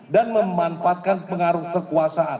dan memanfaatkan pengaruh kekuasaan